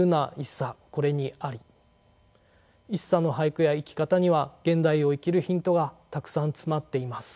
一茶の俳句や生き方には現代を生きるヒントがたくさん詰まっています。